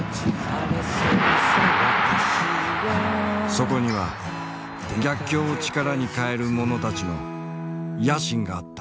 そこには逆境を力に変える者たちの野心があった。